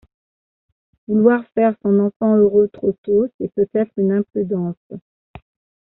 Vouloir faire son enfant heureux trop tôt, c’est peut-être une imprudence.